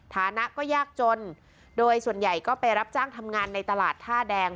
ฐานะก็ยากจนโดยส่วนใหญ่ก็ไปรับจ้างทำงานในตลาดท่าแดง